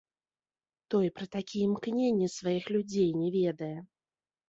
Той пра такія імкненні сваіх людзей не ведае.